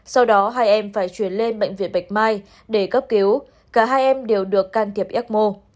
sau đó hai em phải chuyển lên bệnh viện bạch mai để cấp cứu cả hai em đều được can thiệp ecmo